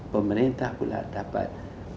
pemerintah pula dapat